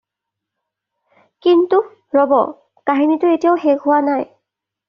কিন্তু, ৰ'ব! কাহিনীটো এতিয়াও শেষ হোৱা নাই।